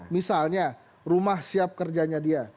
misalnya rumah siap kerjanya dia